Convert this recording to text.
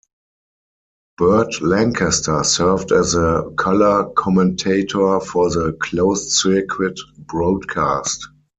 Burt Lancaster served as a color commentator for the closed-circuit broadcast.